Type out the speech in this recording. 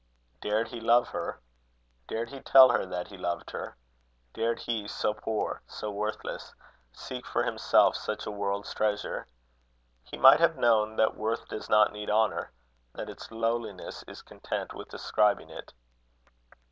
Dared he love her? Dared he tell her that he loved her? Dared he, so poor, so worthless, seek for himself such a world's treasure? He might have known that worth does not need honour; that its lowliness is content with ascribing it.